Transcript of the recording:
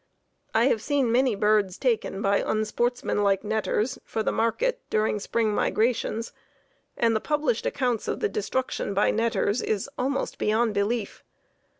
I have seen many birds taken, by unsportsmanlike netters, for the market during spring migrations, and the published accounts of the destruction by netters is almost beyond belief.